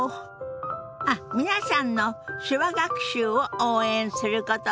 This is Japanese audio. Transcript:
あっ皆さんの手話学習を応援することです！